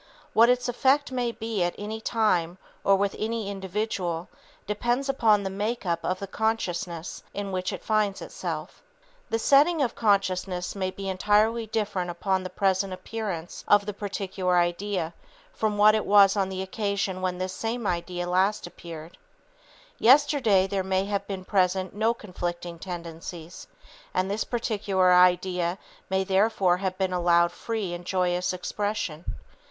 What its effect may be at any time or with any individual depends upon the make up of the consciousness in which it finds itself. [Sidenote: Ideas All Men Respond to] The setting of consciousness may be entirely different upon the present appearance of the particular idea from what it was on the occasion when this same idea last appeared. Yesterday there may have been present no conflicting tendencies, and this particular idea may therefore have been allowed free and joyous expression.